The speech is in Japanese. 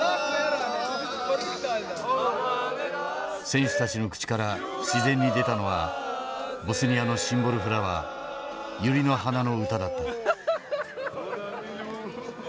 選手たちの口から自然に出たのはボスニアのシンボルフラワーユリの花の歌だった。